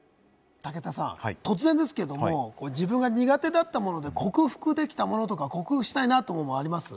武田さん、突然ですけれども、自分が苦手だったもので克服できたものとか、克服したいものはありますか？